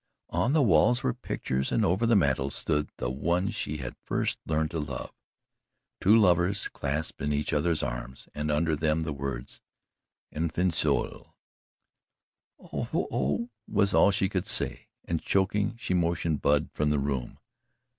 On the walls were pictures and over the mantel stood the one she had first learned to love two lovers clasped in each other's arms and under them the words "Enfin Seul." "Oh oh," was all she could say, and choking, she motioned Bub from the room.